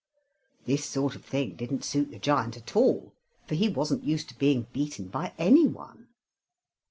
This sort of thing didn't suit the giant at all, for he wasn't used to being beaten by any one.